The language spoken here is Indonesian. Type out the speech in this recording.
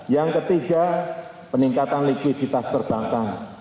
yang ketiga peningkatan likuiditas perbankan